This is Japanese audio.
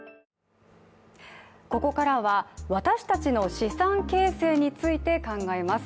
ここからは私たちの資産形成について考えます。